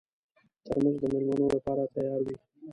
ترموز د مېلمنو لپاره تیار وي.